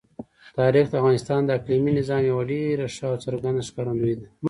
تاریخ د افغانستان د اقلیمي نظام یوه ډېره ښه او څرګنده ښکارندوی ده.